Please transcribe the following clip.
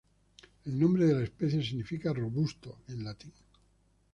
El nombre de la especie significa "robusto" en latín.